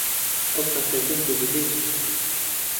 ئەو کات گەنج و بەهێز بووم.